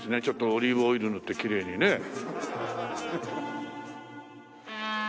ちょっとオリーブオイル塗ってきれいにね。